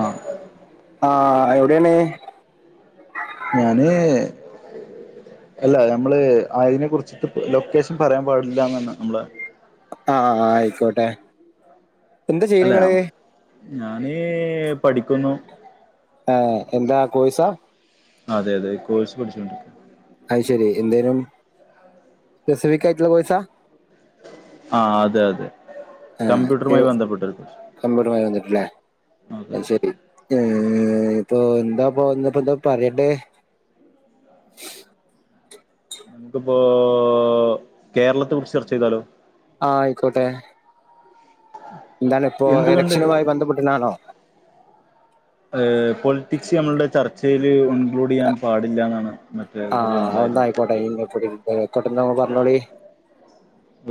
ആഹ് ആ എവിടെയാണ് ഞാന് അല്ല നമ്മള് അതിനെ കുറിച്ചിട്ട് ലൊക്കേഷൻ പറയാൻ പാടില്ലാന്നാണ് നമ്മള ആഹ് ആഹ് ആയിക്കോട്ടെ എന്താ ചെയ്യ അല്ലേ നിങ്ങള് ഞാന് പഠിക്കുന്നു ആഹ് എന്താ കോഴ്‌സാ അതെ അതെ കോഴ്സ് പഠിച്ചുകൊണ്ടിരിക്കുക അത് ശരി എന്തേലും സ പെസിഫിക് ആയിട്ടുള്ള കോഴ്സാ ആഹ് അതെ അതെ ആഹ് കമ്പ്യൂട്ടറുമായി ഈവ് ബന്ധപ്പെട്ടൊരു കോഴ്സ് കമ്പ്യൂട്ടുമായി ബന്ധപ്പെട്ടല്ലേ അതെ അത് ശരി ഏഹ് ഇപ്പോ എന്താ പോന്ന പ്പൊ എന്താ പറയണ്ടെ നമുക്കിപ്പോ കേരളത്തെ കുറിച്ച് ചർച്ച ചെയ്താലോ ആഹ് ആയിക്കോട്ടെ എന്താണ് ഇപ്പോ എന്തുകൊണ്ട് എലക്ഷനുമായി ബന്ധപ്പെട്ടിട്ടാണോ ആഹ് പോളിറ്റിക്സ് ഞമ്മളുടെ ചർച്ചേല് ഒൺ ഇക്ലൂഡ് ചെയ്യാൻ പാടില്ല എന്നാണ് മറ്റേ ഇതിൽ ഉണ്ടായത് [unintelligible] ക്കോട്ട നിങ്ങൾ പറഞ്ഞോളി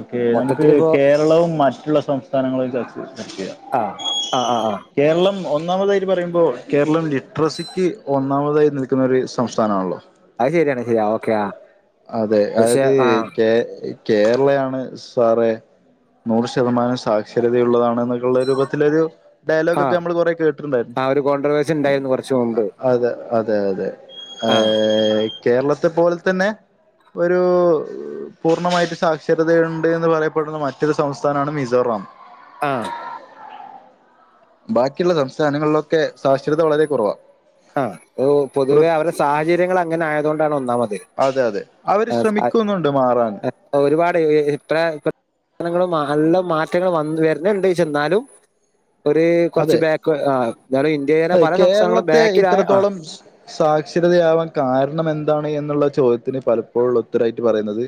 ഓക്കെ നമുക്ക് മൊത്തത്തിലിപ്പോ കേരളവും മറ്റുള്ള സംസ്ഥാനങ്ങളും ചർച്ച ചർച്ച ചെയ്യാം ആഹ ആഹ് ആഹ് ആഹ് കേരളം ഒന്നാമതായിട്ട് പറയുമ്പോൾ കേരളം ലിറ്ററസിക്ക് ഒ ഒന്നാമതായി നിൽക്കുന്നൊരു സംസ്ഥാനമാണല്ലോ അഹ് ശരിയാണ് ശരിയാ ഓക്കെ ആ അതെ പക്ഷെ അതായത് ആ കേ കേരളയാണ് സാറെ നൂറ് ശതമാനം സാക്ഷരത ഉള്ളതാണെന്നൊക്കെയുള്ള രൂപത്തിലൊരു ഡയലോഗ ആ ഒക്കെ നമ്മൾ കൊറെ കേട്ടിട്ടുണ്ടായിരുന്നു ആ ഒരു കോൺട്രവേഴ്സി ഉണ്ടായിരുന്നു കുറച്ചു മുമ്പ് അതെ അതെ അതെ ഏ ആ കേരളത്തെ പോലെ തന്നെ ഒരു പൂർണമായിട്ട് സാക്ഷരതയുണ്ട് എന്ന് പറയപ്പെടുന്ന മറ്റൊരു സംസ്ഥാനമാണ് മിസോറാം ആഹ ബാക്കിയുള്ള സംസ്ഥാനങ്ങളിലൊക്കെ സാക്ഷരത വളരെ കുറവാ ആ ഓ പൊതുവേ പ്രത് അവരുടെ സാഹചര്യങ്ങൾ അങ്ങനെ ആയതു കൊണ്ടാണ് ഒന്നാമത് അതെ അതെ അവര് ആ, സ- ശ്രമിക്കുന്നുണ്ട് മാറാൻ ഒരുപാട് ഹെ ഇത്ര ഇ ങ്ങളും നല്ല മാറ്റങ്ങൾ വന്ന് വരുന്നുണ്ട് ചെ ന്നാലും ഒരു കുറച്ച് അതെ ബാക് ആ വേറെ ഇന്ത്യയിലെ പല സംസ്ഥാനങ്ങളും ബക്ക് എത്രത്തോളം സ് സാക്ഷരതയാവാൻ കാരണം എന്താണ് എന്നുള്ള ചോദ്യത്തിന് പലപ്പോഴ ഉത്തരായിട്ട് പറയുന്നത്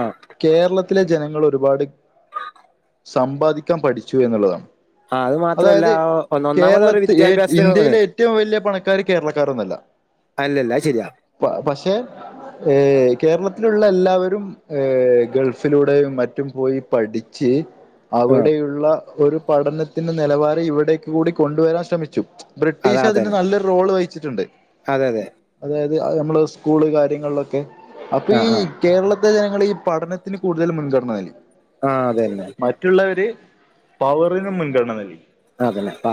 ആഹ് കേരളത്തിലെ ജനങ്ങൾ ഒരുപാട് സമ്പാദിക്കാൻ പഠിച്ചു എന്നുള്ളതാണ് ആ അത് മാത്രല്ല അതായത് ഒന്നാ ഒന്നാമത് ഓരേ കേരളത്തി ഏ വിദ്യാഭ്യാസത്തിന്ന് ഹ് ഇന്ത്യയിലെ ഏറ്റവും വലിയ പണക്കാര് കേരളക്കാരൊന്നുമല്ല അല്ലല്ല അഹ് ശരിയാ പ പക്ഷെ ഏ കേരളത്തിലുള്ള എല്ലാവരും ഏഹ ഗൾഫിലൂടെയും മറ്റും പോയി പഠിച്ച് ആഹ് അവിടെയുള്ള ഒരു പഠനത്തിന്റെ നിലവാരം ഇവിടേക്ക് കൂടി കൊണ്ടുവരാൻ ശ്രമിച്ചു അത ബ്രിട്ടീഷ് അതിന് അതന്നെ നല്ലൊരു റോൾ വഹിച്ചിട്ടുണ്ട് അതെ അതെ അതായത് അഹ് നമ്മള് സ്കൂള് കാര്യങ്ങളിലൊക്കെ അപ്പൊ ഈ ആഹ് ആഹ് കേരളത്തെ ജനങ്ങൾ ഈ പഠനത്തിന് കൂടുതൽ മുൻഗണന ന ആഹ അതന്നെ മറ്റുള്ളവര് പവറിന് മുൻഗണന നൽകി അതന്നെ ആ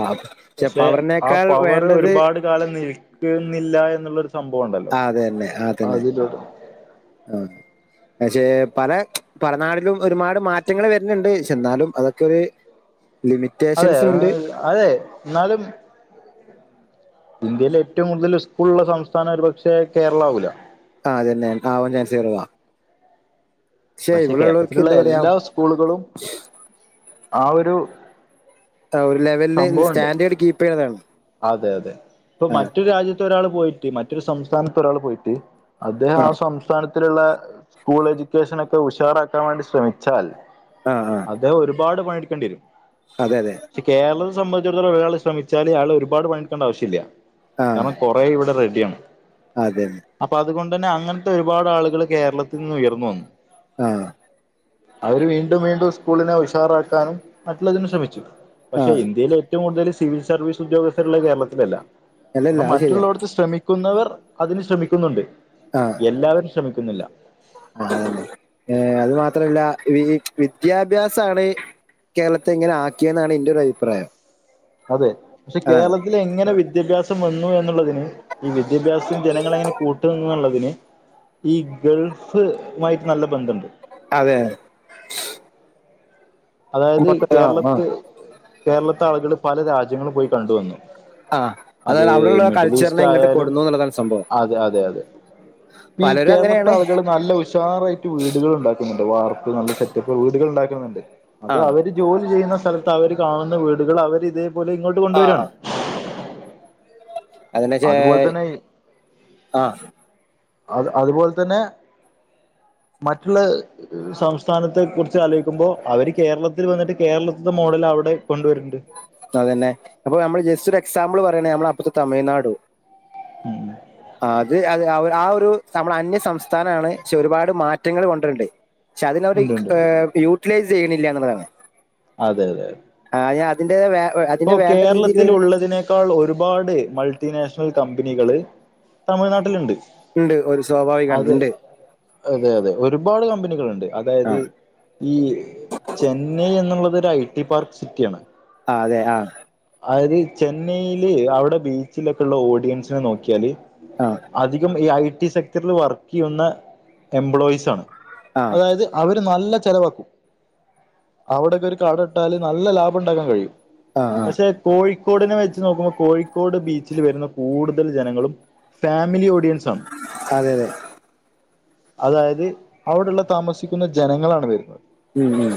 ഛെ പക്ഷെ ആ പവറിനേക്കാൾ പവർ വേണ്ടത് ഒരുപാട് കാലം നിൽക്കുന്നില്ല എന്നുള്ളൊരു സംഭവം ഉണ്ടല്ലോ അതിലൂടെ അഹ് പക്ഷേ പല പലനാടിലും ഒരുപാട് മാറ്റങ്ങൾ വരുന്നുണ്ട് ശേ ന്നാലും അതൊക്കെ ഒരു ലിമിറ്റ് അതെ [unintelligible] അതെ എന്നാലും ഇന്ത്യെൽ ഏറ്റവും കൂടുതൽ സ്കൂള ഉള്ള സംസ്ഥാനം ഒരു പക്ഷെ കേരള ആവൂല ആതെന്നെ ആവാൻ ചാൻസ് കുറവാ പക്ഷെ ഉള്ളവർക്ക് കേരളത്തിലുള്ള എന്താ പറയാ എല്ലാ സ്കൂളുകളും ആ ഒരു ആ ഒരു ലെവലില് ഇന്ന് സംഭവമുണ്ട് സ്റ്റാൻഡേർഡ് കീപ്പ് ചെയ്യണതാണ് അതെ അതെ ഇപ്പൊ ആ മറ്റൊരു രാജ്യത്ത് ഒരാൾ പോയിട്ട് മറ്റൊരു സംസ്ഥാനത്ത് ഒരാൾ പോയിട്ട് അദ്ദേഹം ആ സംസ്ഥാനത്തിലുള്ള സ്കൂൾ എഡ്യൂക്കേഷന ഒക്കെ ഉഷാറാക്കാൻ വേണ്ടി ശ്രമിച്ചാൽ ആഹ ആഹ് അദ്ദേഹ ഒരുപാട് പണിയെടുക്കേണ്ടിരും അതെ അതെ പക്ഷെ കേരളത്തെ സംബന്ധിച്ചിടത്തോം ഒരാൾ ശ്രമിച്ചാല്യാൾ ഒരുപട് പണിടുക്കേണ്ട ആവശ്യമില്ല ആ കാരണം അപ്പോ ഇവിടെ റെഡിയാണ് അതെ അതെ അപ്പൊ അതുകൊണ്ട് തന്നെ അങ്ങനത്തെ ഒരുപാട് ആളുകള് കേരളത്തിൽ നിന്ന് ഉയർന്നു വന്നു ആഹ അവര് വീണ്ടും വീണ്ടും സ്കൂളിനെ ഉഷാറാക്കാനും മറ്റുള്ളതിന് ശ്രമിച്ചു ആ പക്ഷെ ഇന്ത്യയിൽ ഏറ്റവും കൂടുതൽ സിവിൽ സർവീസ് ഉദ്യോഗസ്ഥരുള്ള കേരളത്തിലല്ല ങ്ങനെ അല്ലല്ല അത് ശരിയാണ് മറ്റുള്ളവടത്ത് ശ്രമിക്കുന്നവർ അതിന് ശ്രമിക്കുന്നുണ്ട് ആഹ എല്ലാവരും ശ്രമിക്കുന്നില്ല അതല്ലെ ഏർ അത് മാത്രല്ല വിദ്യാഭ്യാസാണ് കേരളത്തെ എങ്ങനെ ആക്കിയെന്നാണ് എന്റെറെ ഒരു അഭിപ്രായം അതെ പക്ഷെ അതാണ് കേരളത്തിൽ എങ്ങനെ വിദ്യാഭ്യാസം വന്നു എന്നുള്ളതിന് ഈ വിദ്യാഭ്യാസത്തിന് ജനങ്ങൾ എങ്ങനെ കൂട്ടുള്ളതിന് ഈ ഗൾഫ് മായിട്ട് നല്ല ബന്ധണ്ട് അതെെ അതായത് ആ ആ കേരളത്ത് കേരളത്തെ ആളുകൾ പല രാജ്യങ്ങളും പോയി കണ്ട് വന്നു ആ അത് അതായത് അവിടെയുള്ള മിഡിൽ കൾച്ചറിനെ ഈസ്റ്റ് ഇങ്ങോട്ട് ആയാലും കൊടുന്നു എന്നുള്ളതാണ് സംഭവം അതെ അതെ അതെ ഇ ഈ പലരും കേരളത്തെ അങ്ങനെയാണ് ആളുകൾ നല്ല ഉഷാറായിട്ട് വീടുകൾ ഉണ്ടാക്കുന്നുണ്ട് വാർപ്പ് നല്ല സെറ്റപ്പ് വീടുകൾ ഉണ്ടാക്കുന്നുണ്ട് ആ അത് അവര് ജോലി ചെയ്യുന്ന സ്ഥലത്ത് അവര് കാണുന്ന വീടുകൾ അവർ ഇതേപോലെ ഇങ്ങോട്ട് ആ കൊണ്ടുവരകയാണ് അതിനെ അതുപോലെ തന്നെ ആ അത് അതുപോലെ തന്നെ മറ്റുള്ള സംസ്ഥാനത്തെ കുറിച്ച് ആലോചിക്കുമ്പോൾ അവര് കേരളത്തിൽ വന്നിട്ട് കേരളത്തിത്തെ മോഡൽ അവിടെ കൊണ്ടുവരുന്നുണ്ട് അതന്നെ അപ്പൊ നമ്മള് ജസ്റ്റ് ഒരു എക്സാമ്പിൾ പറയണേമ്മ അപ്പത്തെ തമിഴ്നാടോ ഉം ആ അത് അത് ആ ഒരു നമ്മുടെ അന്യ സംസ്ഥാനണ് പക്ഷെ ഒരുപാട് മാറ്റങ്ങൾ കൊണ്ടരുണ്ട് പക്ഷെ അതിനവര് ഉണ്ട്ണ്ട് ഏർ യൂട്ടിലൈസ് ചെയ്യണില്ല എന്നുള്ളതാണ് അതെ അതെ ആഹ് ഞാ അതിന്റെ വേ ഇപ്പോ അതിന്റെ വേണ്ട രീതിയിൽ കേരളത്തിലുള്ളതിനെ ക്കാൾ. ഒരുപാട് മൾട്ടിനാഷണൽ കമ്പനികള് തമിഴ്നാട്ടിലുണ്ട് ഉണ്ട് ഒരു സ്വാഭാവിക ഉ അത് ഉണ്ട് അതെ അതെ ഒരുപാട് കമ്പനികൾുണ്ട് ആ അതായത് ഈ ചെന്നൈ എന്നുള്ളത് ഒരു ഐ ടി പാർക്ക് സിറ്റിയ ആാണ് ആ അതെ ആ അത് ചെന്നൈയില് അവിടെ ബീച്ചിലൊക്കെ ഉള്ള ഓഡിയൻസിനെ നോക്കിയാല് ആ അധികം ഈ ഐ ടി സെക്ടറിൽ വർക്ക് ചെയ്യുന്ന എംപ്ലോയീസ് ആണ് ആ അതായത് അവര് നല്ല ചിലവാക്കും അവിടെയൊക്കെ ഒരു കട ഇട്ടാൽ നല്ല ലാഭം ഉണ്ടാക്കാൻ കഴിയും ആ ആ പക്ഷെ കോഴിക്കോടിനെ വെച്ച് നോക്കുമ്പോൾ കോഴിക്കോട് ബീച്ചിൽ വരുന്ന കൂടുതൽ ജനങ്ങളും ഫാമിലി ഓഡിയൻസാണ് അതെ യതേ അതായത് അവിടുള്ള താമസിക്കുന്ന ജനങ്ങളാണ് വരുന്നത് ഉം ഉം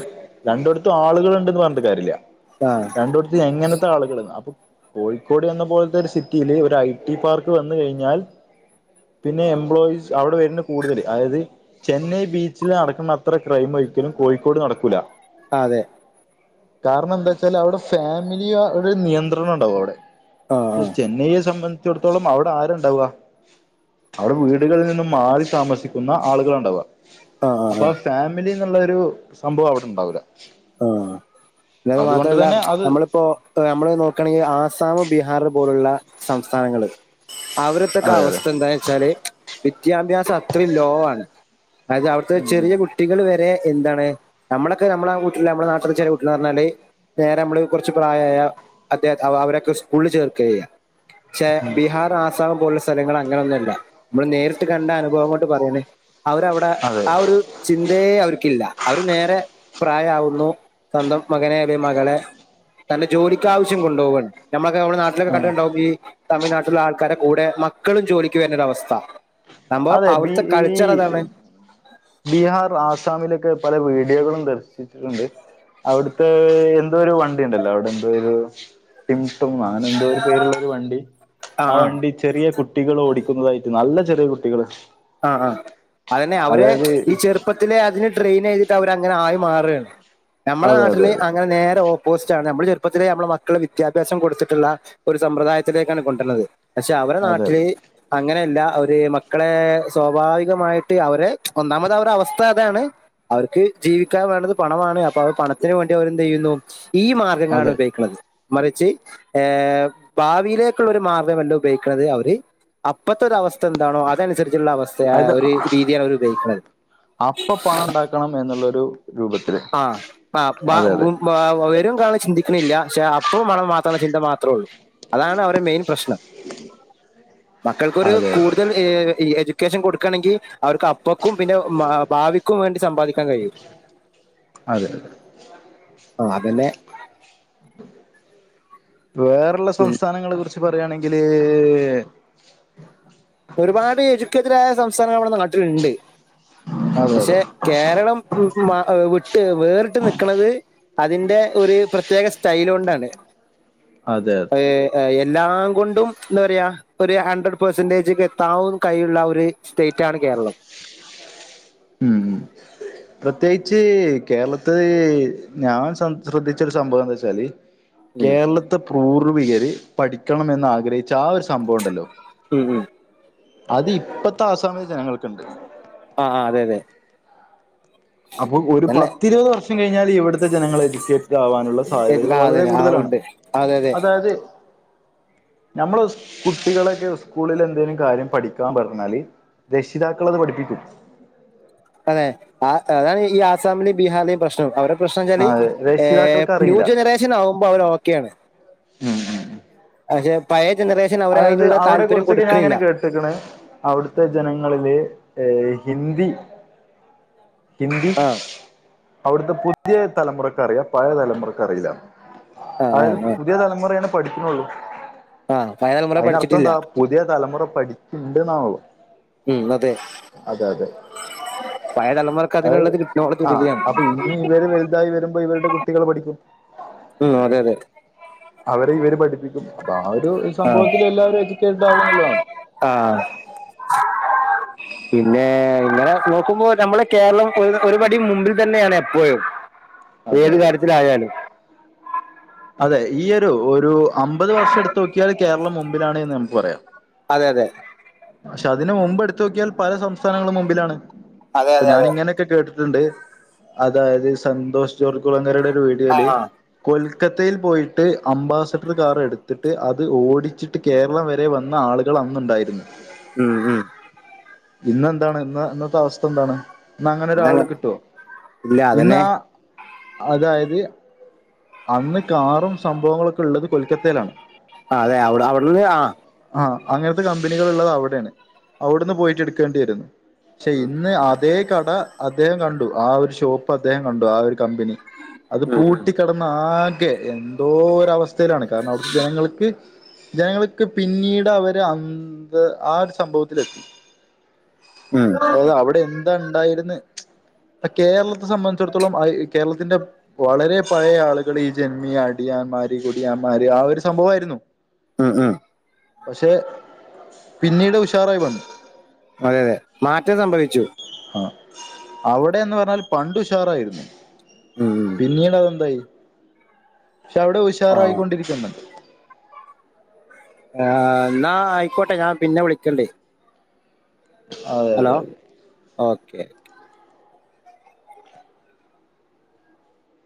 രണ്ടിടത്തും ആളുകളൾുണ്ടന്ന് പറഞ്ഞിട്ട് കാര്യല്ല ആ രണ്ടുടത്തും എങ്ങനത്തെ ആളുകൾ അപ്പൊ കോഴിക്കോട് എന്ന പോലത്തെ ഒരു സിറ്റിയില് ഒരു ഐ ടി പാർക്ക് വന്ന് കഴിഞ്ഞാൽ പിന്നെ എംപ്ലോയീസ് അവിടെ വരുന്ന കൂടുതൽ അതായത് ചെന്നൈ ബീച്ചിൽ നടക്കുന്ന അത്ര ക്രൈം ഒരിക്കലും കോഴിക്കോട് നടക്കൂല ആഹ് അതെ കാരണം എന്താച്ചാല് അവിടെ ഫാമിലിയോ ഒരു നിയന്ത്രണ ണ്ടാവും അവിടെ. ആ ആ ചെന്നെയെ സംബന്ധിച്ചിടത്തോളം അവിടെ ആരാണ്ടാവ അവര് വീടുകളിൽ നിന്നും മാറി താമസിക്കുന്ന ആളുകളാ ണ്ടാവ ആ ആ അപ്പൊ ആ ആഹ് ഫാമിലിന്നുള്ളൊരുസംഭവം അവ്ടെ ണ്ടാവൂല. ആഹ് പിന്നത് മാത്രമല്ല അത് നമ്മളിപ്പോ നമ്മള് നോക്കാണെങ്കിൽ ആസാമ്, ബീഹാർ പോല് പോലുള്ള സംസ്ഥാനങ്ങള് അവിരോത്തൊക്കെ അതെ അതെ അവസ്ഥ എന്താ ച്ചാല് വിദ്യാഭ്യാസം അത്രയും ലോ ആണ്. അതായത് അവിടുത്തെ ഉം ചെറിയ കുട്ടി കുട്ടികൾ വരെ എന്താണ് നമ്മളൊക്കെ നമ്മടെ കുട്ടിനെ നമ്മുടെ നാട്ടിലെ ചെല കുട്ടിന്ന് പറഞ്ഞാല് വേറെ നമ്മള് കുറച്ച് പ്രായമായ അദ് അവരൊക്കെ സ്കൂളിൽ ചേർക്കാ ചെയ്യ ഛെ ഉം ബിഹാർ, ആസ്റ്റാം പോലുള്ള സ്ഥല സ്ഥലങ്ങൾ അങ്ങനെന്നോല്ല നമ്മള് നേരിട്ട് കണ്ട അനുഭവം കൊണ്ട് പറയണ്. അവരവിടെ അതെ ആ ഒരു ചിന്തേ അവർക്കില്ല അവര് നേരെ പ്രായവുന്നു സ്വന്തം മകനെ അല്ലേ മകളെ തന്റെ ജോലിക്ക് ആവശ്യം കൊണ്ടോവാണ്. നമ്മളൊക്കെ നാട്ടിലൊക്കെ ആ കണ്ടിട്ടുണ്ടാവും ഈ തമിഴ്നാട്ടിലുള്ള ആൾക്കാരുടെ കൂടെ മക്കളും ജോലിക്ക് വരുന്നൊര അവസ്ഥ. സംഭവം അതെ ബി അവിട്ത്തെ ഈ കൾച്ചറതാണ്. ബീഹാർ, ആസാമിലൊക്കെ പല വീഡിയോകളും ദർശിച്ചിട്ടുണ്ട്. അവിടുത്തെ എന്തോ ഒരു വണ്ടി ണ്ടല്ലോ? അവിടെ എന്തോ ഒരു മിന്സ്സോം ന്നോ എന്തോ ഒരു പേരു ള്ളാരു വണ്ടി ആ വണ്ടി ചെറിയ കുട്ടികള് ഓടിക്കുന്നതായിട്ട്. നല്ല ചെറിയ കുട്ടികള്. ആ ആഹ് അതന്നെ അവര് അതായത് ഈ ചെറുപ്പത്ത് അതിന് ട്രെയിൻ ചെയ്തിട്ട് അവരങ്ങനെ ആയി മാറുകാണ്. നമ്മുടെ അതെ നാട്ടിൽ അതെ അതെ അങ്ങനെ നേരേ ഓപ്പോ പോസ്റ്റാണ് നമ്മൾ ചെറപ്പത്തിലേ നമ്മള് മക്കള് വിദ്യാഭ്യാസം കൊടുത്തിട്ടുള്ള ഒരു സമ്പ്രദായത്തിലേക്കാണ് കൊണ്ടര്ണത്. പക്ഷെ അവരെ അതെ നാട്ടില് അതെ അങ്ങനെല്ല അവര് മക്കളെ സ്വാഭാവികമായിട്ട് അവരെ ഒന്നാമത് അവരുടെ അവസ്ഥ അതാണ്. അവർക്ക് ജീവിക്കാൻ വേണ്ടത് പണമാണ്. അപ്പൊ അവ പണത്തിന് വേണ്ടി അവര് എന്തെയ്യുന്നു ഈ മാർഗങ്ങളാണ് അതെ ഉപയ്ക്ക്ണത്. മറിച്ച് ഏഹ് ഭാവിയിലേക്കുള്ള ഒരു മാർഗമല്ല ഉപയോഗിക്കണത് അവര് അപ്പത്തൊര അവസ്ഥ എന്താണോ അതനുസരിച്ചുള്ള അത് അവസ്ഥയായഒരു രീതിയാണ് അവർ ഉപയോക്ക്ണത്. ണം എന്നുള്ളൊരു രൂപത്ത് ആഹ് ആഹ് ബ ബു അഹ് വരും കാലം ചിന്തിക്കണില്ല പക്ഷേ അപ്പവും പണംമാത്ര മെന്നചിന്ത മാത്രമേ ഉള്ളൂ. അതാണ് അവരുടെ മെയിൻ പ്രശ്നം. മക്കൾക്കൊരു അതെ അതെ കൂടുതൽ എജുക്കേഷൻകൊടുക്കണെങ്കി അവർക്ക് അപ്പക്കും പിന്നെ ഭാവിക്കും വേണ്ടി സമ്പാദിക്കാൻ കയും. അതെ അതെ. ആഹ് അതന്നെ. വേറേള്ള സംസ്ഥാനങ്ങളെ കുറിച്ച് പറയാണെങ്കില് ഒരുപാട് എഡ്യുക്കേറ്റഡ്ആയ സംസ്ഥാനങ്ങൾ നമ്മുടെ നാട്ടിലുണ്ട്. അതെ അതെ പക്ഷെ കേരളം ഉം മ് വ് വിട്ട് വേറിട്ട് നിക്ക്ണത് അതിന്റെ ഒരു പ്രത്യേക സ്റ്റൈൽ കൊണ്ടാണ്. അതെ ഒരു എല്ലാം കൊണ്ടും ന്താ പറയാ ഒരു ഹൺഡ്രഡ് പെർസെന്റജ് എത്താവും കഴിവുള്ള ഒരു സ്റ്റേറ്റ് ആണ് കേരളം. ഉം പ്രത്യേകിച്ച് കേരളത്തില് ഞാൻ സം ശ്രദ്ധിച്ച ഒരു സംഭവം ന്ന് വെച്ചാല് ഉം കേരളത്തെ പൂർവികര് പഠിക്കണംമെന്ന് ആഗ്രഹിച്ച ആ ഒരു സം സംഭവണ്ടല്ലോ. ഉം ഉം അത് ഇപ്പത്തെ ആസാമിലെ ജനങ്ങൾക്കുണ്ട്. ആഹ് അതെ അതെ അപ്പൊ ഒരു തന്നെ പത്തിരുപത് വർഷം കഴിഞ്ഞാല് ഇവിടു ത്തെ ജനങ്ങൾ എഡ്യൂക്കേറ്റഡ് ആവാനുള്ള സാധ്യതകൾ ആ വളരെ അതന്നെ ആ കൂടുതലാണ് ഉണ്ട് അതെ അതെ അതായത് നമ്മളെ കുട്ടികളൊക്കെ സ്കൂളിൽ എന്തെേലും കാര്യം പഠിക്കാൻ പറഞ്ഞാല് രക്ഷിതാക്കളത് പഠിപ്പിക്കും. അതെ, ആ അതാണ് ഈ ആസാമിലെയും ബീഹാറിലെയും പ്രശ്നം വര ആ പ്രശ്നംച്ചാല് ഏഹ് രക്ഷിതാക്കൾക്ക് ന്യൂ അറിയില്ല ജനറേഷൻ ആവുമ്പോൾ അവർ ഓക്കെയാണ് ഉം ഉം പക്ഷെ പയേ ജനറേഷൻ അവരെ അതിനുള്ള താല്പര്യം കൊടുക്കണില്ല. ക്കുണ്. അവിടുത്തെ ജനങ്ങളില് ഹിന്ദി ഹിന്ദി ആ അവിടുത്തെ പുത്യേ തലമുറക്കറിയാം പയേ തലമുറക്കറീല. ആ ആ അതായത് ആ പുതിയ തലമുറയെ പഠിക്കുന്നുള്ളൂ. ആഹ് നൽ അയിനർത്ഥം ന്താ പുതിയ തലമുറ പഠിക്ക്ണ്ട്ന്നാവും ഉം, അതെ. പഴയ തലമുറക്ക് അതയത് അതിനുള്ളത് നോളജ് ആ കിട്ടില്ല അപ്പൊ ഇനി ഇവര് വലുതായി വരുമ്പോ ഇവരുടെ കുട്ടികൾ പഠിക്കും. ഉം, അതെ തെ അവരെ ഇവര് പഠിപ്പിക്കും അപ്പൊ ആ ഒരു ആ സംഭവത്തിൽ എല്ലാവരും എജു കേറ്റഡ് ആവുന്നുള്ളതാണ് ആഹ് പിന്നേ ഇങ്ങനെ നോക്കുമ്പോൾ നമ്മളെ കേരളം ഒരു ഒരുപടി മുമ്പിൽ തന്നെയാണ് എപ്പോയും. അതെ ഏത് അതെ കാര്യത്തിലായാലും. അതെ ഈയൊരു ഒരു അമ്പത് വർഷം എടുത്തു നോക്കിയാൽ കേരളം മുമ്പിലാണ് എന്ന് നമുക്ക് പറയാം. അതെ അതെ പക്ഷെ അതിനുമുമ്പ് എടുത്തു നോക്കിയാൽ പല സംസ്ഥാനങ്ങളും മുമ്പിലാണ് അതെ അപ്പൊ അതെ അതെ ഞാനിങ്ങനെ ക്കെ കേട്ടിട്ടുണ്ട്. അതായത് സന്തോഷ് ജോർജ് കുുളങ്ങരയുടെ ഒരു ആ വീഡിയോല് ആ. കൊൽക്കത്തയിൽ പോയിട്ട് അംബാസഡർ കാർ എടുത്തിട്ട് അത് ഓടിച്ചിട്ട് കേരളം വരെ വന്ന ആളുകൾ അന്നുണ്ടായിന്നു. ഉം ഇന്നെന്താണ്? ഇന്ന്, ഇന്നത്തെ അവസ്ഥ എന്താണ്? ന്നങ്ങനെ എന്നാ ഒരാളെ അങ്ങ്- കിട്ടോ ഇല്ല അതന്നെ ഇന്നാ അതായത് അന്ന് കാറും സംഭവങ്ങളൊക്കെ ഉള്ളത് കൊൽക്കത്തയിലാണ്. ആഹ് അതെ അവിടെ അവിടന്ന് ആഹ് ആഹ് അങ്ങനത്തെ കമ്പനികൾ ഉള്ളത് അവിടെണ്. അവിടുന്ന് പോയിട്ട് ടുക്കേണ്ടി വരുന്ന് ക്ഷെ ഇന്ന് അതേ കട അദ്ദേഹം കണ്ടു ആ ഒരു ഷോപ്പ് അദ്ദേഹം കണ്ടു ആ ഒരു കമ്പനി. അത് പൂട്ടിക്കടന്ന് ആകെ എന്തോര വസ്ഥയിലാണ് കാരണം അവിടുത്തെ ജനങ്ങൾക്ക് ജനങ്ങൾക്ക് പിന്നീട് അവര് അന്ത്‌ ആ ഒരു സംഭവത്തിലെ ഉം, അതയത് അവിടെ എന്താ ഉണ്ടായിന്ന് കേരളത്തെ സംബന്ധിച്ചിടത്തോളം അയ് കേരളത്തിന്റെ വളരെ പയേ ആളുകൾ ഈ ജന്മി അടിയാന്മാര് കുടിയാന്മാര് ആ ഒരു സംഭവായിരുന്നു. ഉം ഉം പക്ഷെ പിന്നീട് ഉഷാറായി വ അതെതെ മാറ്റം സംഭവിച്ചു. ആഹ് അവിടെന്ന് പറഞ്ഞാൽ പണ്ടുഷാറായിരുന്നു. ഉം ഉം ന്നീട് അതെന്തായി ക്ഷെ അവിടെ ആ. ഉഷാറായിക്കൊണ്ടിരിക്കണ്. ആഹ്. ന്നാ ആയിക്കോട്ടെ ഞാൻ പിന്നെ വിളിക്കണ്ട്. അതെ അതെ ഓക്കെ